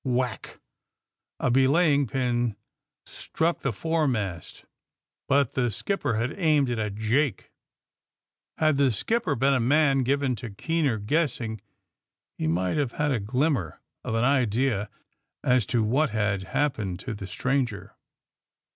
Whack ! A belaying pin struck the foremast, but the skipper had aimed it at Jake. Had the skipper been a man given to keener guessing he might have had a glimmer of an idea as to what had happened to the stranger.